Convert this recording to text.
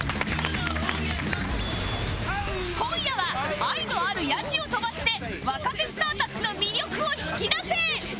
今夜は愛のあるヤジを飛ばして若手スターたちの魅力を引き出せ！